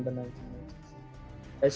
sebaik saja itu selesai